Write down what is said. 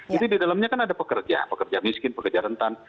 jadi di dalamnya kan ada pekerja pekerja miskin pekerja rentan